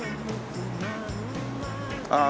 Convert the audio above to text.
ああ